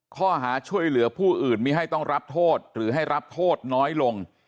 ข้อหาช่วยเหลือผู้อื่นมีให้ต้องรับโทษหรือให้รับโทษน้อยลง